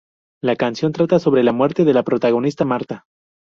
La canción trata sobre la muerte de la protagonista, Marta.